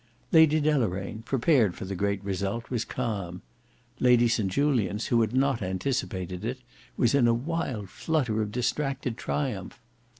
Lady Deloraine, prepared for the great result, was calm: Lady St Julians, who had not anticipated it, was in a wild flutter of distracted triumph.